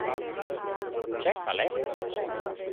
«Tgei fa lez?»